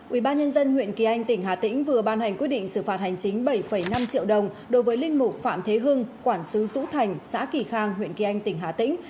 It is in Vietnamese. ubnd huyện kỳ anh tỉnh hà tĩnh vừa ban hành quyết định xử phạt hành chính bảy năm triệu đồng đối với linh mục phạm thế hưng quản sứ dũ thành xã kỳ khang huyện kỳ anh tỉnh hà tĩnh